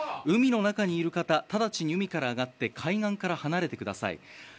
海の中にいる方ただちに海から上がって海岸から離れてください。